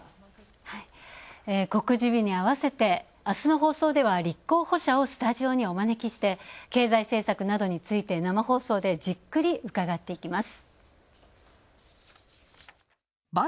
告示日にあわせて、あすの放送では立候補者をスタジオにお招きして経済政策などについて生放送でじっくり伺っていきます。